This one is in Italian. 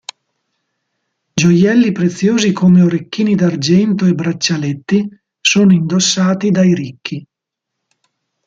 Gioielli preziosi come orecchini d'argento e braccialetti sono indossati dai ricchi.